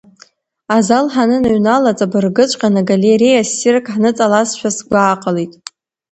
Азал ҳаныныҩнала, ҵабыргыҵәҟьаны галереиа ссирк ҳныҵалазшәа сгәы ааҟалеит.